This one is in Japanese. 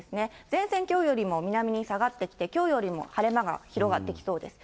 前線、きょうよりも南に下がってきて、きょうよりも晴れ間が広がってきそうです。